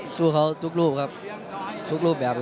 สู้เขาทุกรูปครับ